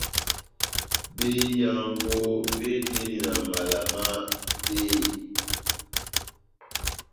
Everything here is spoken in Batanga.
Behiyaango béndini na mala má véyi,